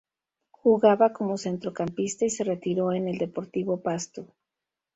Jugaba como centrocampista y se retiró en el Deportivo Pasto.